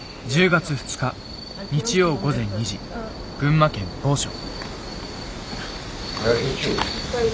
１０月２日日曜午前２時群馬県某所。